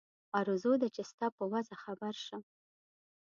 آرزو ده چې ستا په وضع خبر شم.